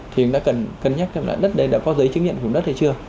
thì chúng ta cần nhắc thêm là đất đấy đã có giấy chứng nhận của đất hay chưa